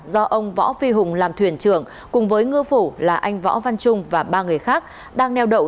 do ông võ phi hùng làm thuyền trưởng cùng với ngư phủ là anh võ văn trung và ba người khác đang neo đậu